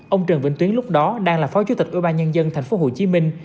ông trần vĩnh tuyến lúc đó đang là phó chủ tịch ủy ban nhân dân tp hcm